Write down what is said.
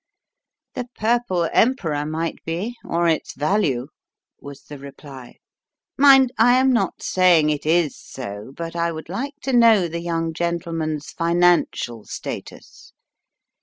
" "The Purple Emperor might be, or its value," was the reply. "Mind, I am not saying it is so, but I would like to know the young gentleman's financial status.